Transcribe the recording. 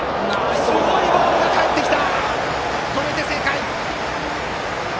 すごいボールが返ってきた！